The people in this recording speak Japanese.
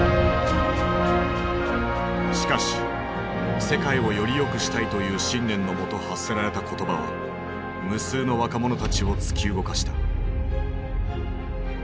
しかし「世界をよりよくしたい」という信念のもと発せられた言葉は無数の若者たちを突き動かした。